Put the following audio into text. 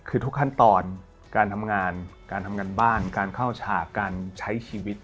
คือทุกขั้นตอนการทำงานการทำงานบ้านการเข้าฉากการใช้ชีวิต